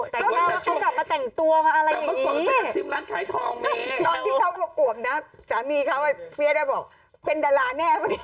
แต่ถ้าว่าเขากลับมาแต่งตัวอะไรอย่างนี้ตอนที่เขากลับกล่วงนะสามีเขาเฮียได้บอกเป็นดาราแน่ป่ะเนี่ย